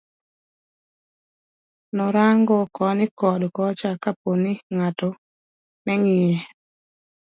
Norang'o koni koda kocha kaponi ngato neng'iye.